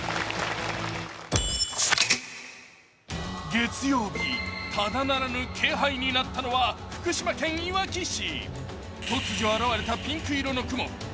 月曜日、ただならぬ気配になったのは福島県いわき市。